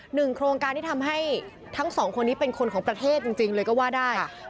หนึ่งโครงการที่ทำให้ทั้งสองคนนี้เป็นคนของประเทศจริงเลยก็ว่าได้